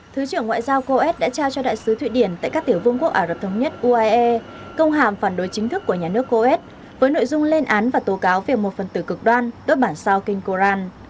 thứ trưởng ngoại giao coes đã trao cho đại sứ thụy điển tại các tiểu vương quốc ả rập thống nhất uae công hàm phản đối chính thức của nhà nước coet với nội dung lên án và tố cáo về một phần tử cực đoan đốt bản sao kinh koran